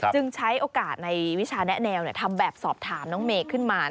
ใช้โอกาสในวิชาแนะแนวทำแบบสอบถามน้องเมย์ขึ้นมา